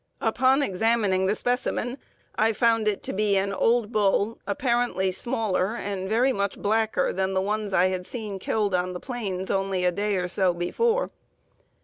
"Upon examining the specimen, I found it to be an old bull, apparently smaller and very much blacker than the ones I had seen killed on the plains only a day or so before.